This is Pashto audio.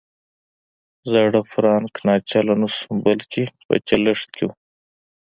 زاړه فرانک ناچله نه شول بلکې په چلښت کې وو.